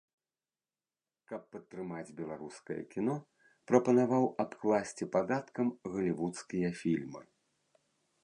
Каб падтрымаць беларускае кіно прапанаваў абкласці падаткам галівудскія фільмы.